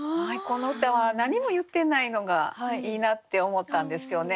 この歌は何も言ってないのがいいなって思ったんですよね。